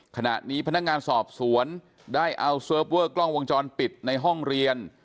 ขณะนี้พนักงานสอบสวนได้เอาเซิร์ฟเวอร์กล้องวงจรปิดในห้องเรียน